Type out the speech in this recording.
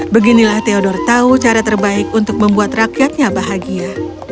beginilah theodor tahu cara terbaik untuk membuat rakyatnya bahagia